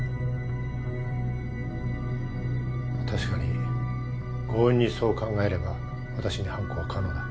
まあ確かに強引にそう考えれば私に犯行は可能だ。